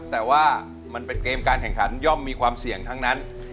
แต่ว่ามันเป็นเกมการแข่งขันย่อมมีความเสี่ยงทั้งนั้น